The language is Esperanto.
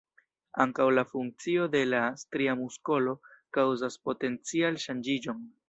Ankaŭ la funkcio de la stria muskolo kaŭzas potencial-ŝanĝiĝon.